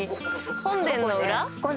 本殿の裏。